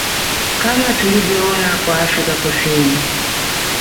Kama tulivyoona kwa Afrika Kusini